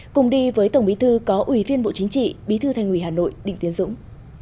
cùng đi với tổng bí thư có ủy viên bộ chính trị bí thư thành ủy hà nội đinh tiến dũng